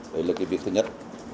đây là kỳ việc thứ nhất